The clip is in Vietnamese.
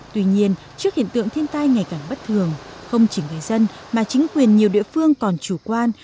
tuy nhiên trước hiện tượng thiên tai ngày càng bất thường không chỉ người dân mà chính quyền nhiều địa phương còn chủ quan